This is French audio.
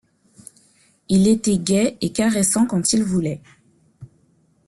Il était gai, et caressant quand il voulait.